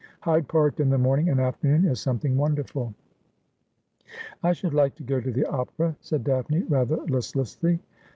Hyde Park in the morning and afternoon is something wonderful '' I should like to go to the opera,' said Daphne rather list lessly.